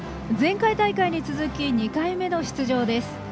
前回大会に続き２回目の出場です。